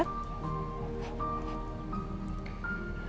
aku seneng karena kamu mau ikut kesini